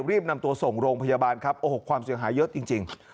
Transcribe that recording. รีบนำตัวส่งโรงพยาบาลครับโอ้โหความเสียหายเยอะจริง